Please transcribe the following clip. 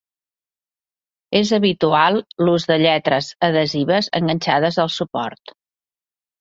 És habitual l'ús de lletres adhesives enganxades al suport.